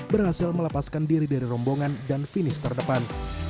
berhasil melepaskan diri dari rombongan dan finish terdepan